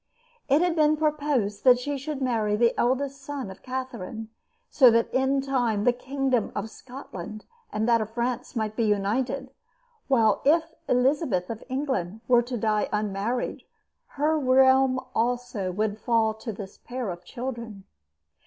It had been proposed that she should marry the eldest son of Catherine, so that in time the kingdom of Scotland and that of France might be united, while if Elizabeth of England were to die unmarried her realm also would fall to this pair of children.